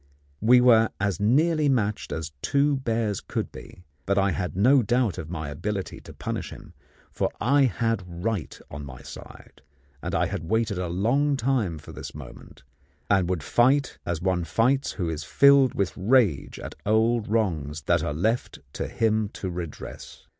We were as nearly matched as two bears could be; but I had no doubt of my ability to punish him, for I had right on my side, and had waited a long time for this moment, and would fight as one fights who is filled with rage at old wrongs that are left to him to redress.